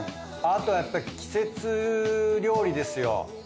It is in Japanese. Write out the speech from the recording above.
あとはやっぱ季節料理ですよ。